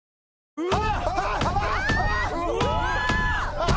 うわ！